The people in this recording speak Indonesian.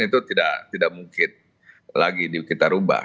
itu tidak mungkin lagi kita ubah